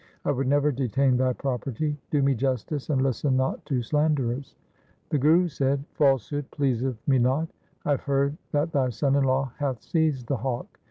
I would never detain thy property. Do me justice and listen not to slanderers.' The Guru said, ' Falsehood pleaseth me not. I have heard that thy son in law hath seized the hawk.